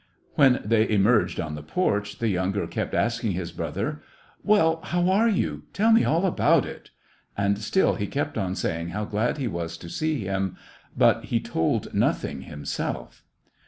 When they emerged on the porch, the younger kept asking his brother :Well, how are you ; tell me all about it." And still he kept on saying how glad he was to see him, but he told nothing himself.